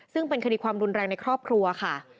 ซึ่งเป็นคดีความรุนแรงในครอบครัวค่ะ